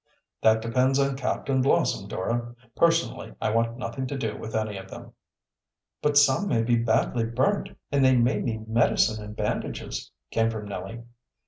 "That depends on Captain Blossom, Dora. Personally I want nothing to do with any of them." "But some may be badly burnt, and they may need medicine and bandages," came from Nellie.